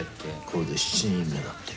これで７人目だって。